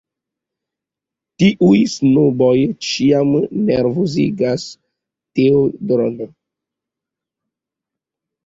Tiuj snoboj ĉiam nervozigas Teodoron.